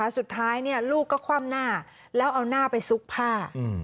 สุดท้ายลูกก็คว่ำหน้าแล้วเอาหน้าไปซุกผ้า